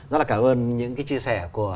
rất là cảm ơn những cái chia sẻ của